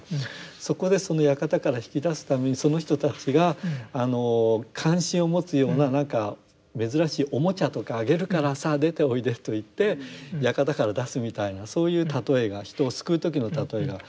そこでその館から引き出すためにその人たちが関心を持つようななんか珍しいおもちゃとかあげるからさあ出ておいでと言って館から出すみたいなそういう例えが人を救う時の例えが。